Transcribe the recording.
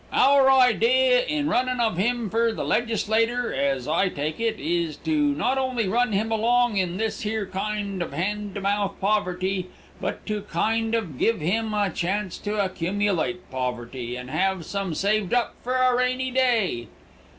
Our idee in runnin' of him fer the legislater, as I take it, is to not only run him along in this here kind of hand to mouth poverty, but to kind of give him a chance to accumulate poverty, and have some saved up fer a rainy day.